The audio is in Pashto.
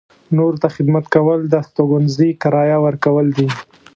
نورو ته خدمت کول د استوګنځي کرایه ورکول دي.